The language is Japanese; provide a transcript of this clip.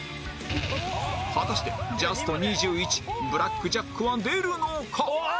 果たしてジャスト２１ブラックジャックか！？